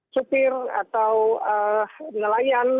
supir atau nelayan